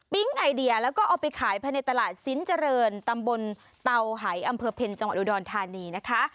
ไอเดียแล้วก็เอาไปขายภายในตลาดสินเจริญตำบลเตาหายอำเภอเพ็ญจังหวัดอุดรธานีนะคะ